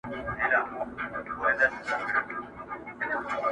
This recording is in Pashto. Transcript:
په هغه شپه مي نیمګړی ژوند تمام وای!